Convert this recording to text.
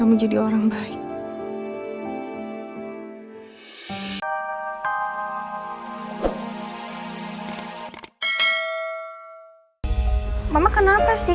mama kenapa sih